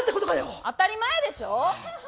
当たり前でしょ！